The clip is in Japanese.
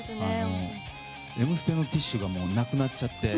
「Ｍステ」のティッシュがもうなくなっちゃって。